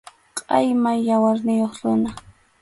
Qʼayma yawarniyuq runa.